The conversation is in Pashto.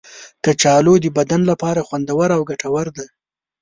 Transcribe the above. کچالو د بدن لپاره خوندور او ګټور دی.